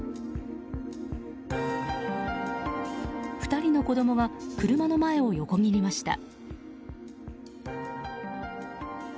２人の子供が車の前を横切りました。